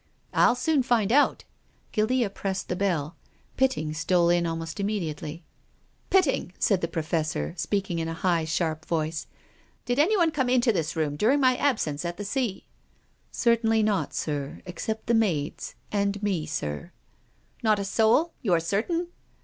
" I'll soon find out." Guildea pressed the bell. Pitting stole in almost immediately. PROFESSOR GUILDEA. 32 1 Pitting," said the Professor, speaking in a high, sharp voice, " did anyone come into this room during my absence at the sea ?"" Certainly not, sir, except the maids — and me. If sir. " Not a soul ? You are certain